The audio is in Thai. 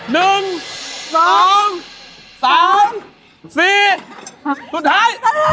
สุดท้าย